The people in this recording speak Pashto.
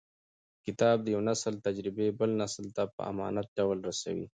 کتاب د یو نسل تجربې بل نسل ته په امانت ډول رسوي.